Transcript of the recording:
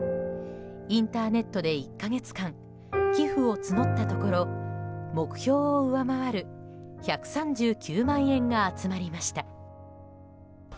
インターネットで１か月間寄付を募ったところ目標を上回る１３９万円が集まりました。